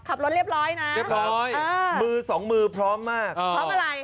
ขับรถเรียบร้อยนะเรียบร้อยมือสองมือพร้อมมากพร้อมอะไร